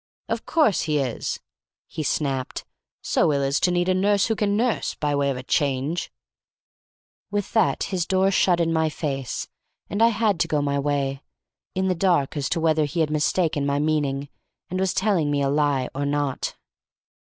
"Of course he is," he snapped—"so ill as to need a nurse who can nurse, by way of a change." With that his door shut in my face, and I had to go my way, in the dark as to whether he had mistaken my meaning, and was telling me a lie, or not.